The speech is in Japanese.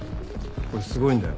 これすごいんだよ。